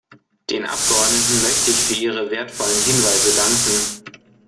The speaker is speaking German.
Den Abgeordneten möchte ich für ihre wertvollen Hinweise danken.